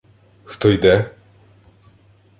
— Хто йде?!